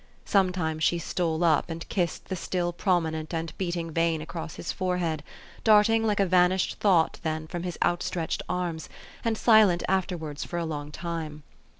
Sometimes she stole up, and kissed the still promi nent and beating vein across his forehead, darting like a vanished thought then from his outstretched arms, and silent afterwards for a long tune.